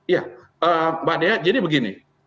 ya mbak dea jadi begini